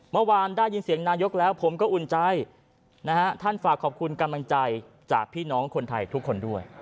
เมื่อวานได้ยินเสียงนายกแล้วผมก็อุ่นใจนะฮะท่านฝากขอบคุณกำลังใจจากพี่น้องคนไทยทุกคนด้วย